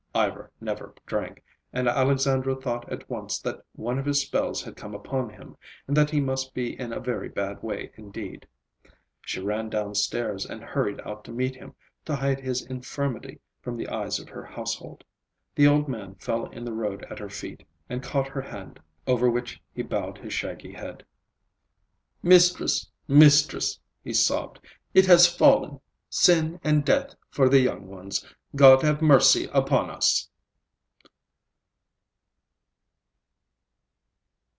Ivar never drank, and Alexandra thought at once that one of his spells had come upon him, and that he must be in a very bad way indeed. She ran downstairs and hurried out to meet him, to hide his infirmity from the eyes of her household. The old man fell in the road at her feet and caught her hand, over which he bowed his shaggy head. "Mistress, mistress," he sobbed, "it has fallen! Sin and death for the young ones! God have mercy upon us!"